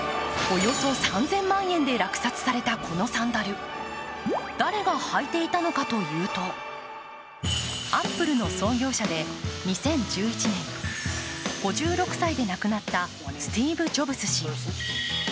およそ３０００万円で落札されたこのサンダル、誰が履いていたのかというとアップルの創業者で２０１１年、５６歳で亡くなったスティーブ・ジョブズ氏。